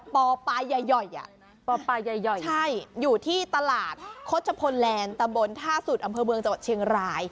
ปปายัยย่อยอะใช่อยู่ที่ตลาดโคชโพนแลนด์ตะบนท่าสุดอำเภอเมืองจังหวัดเชียงราย